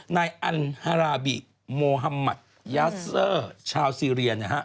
นายอันฮาราบิโมฮัมมัธยาเซอร์ชาวซีเรียนะฮะ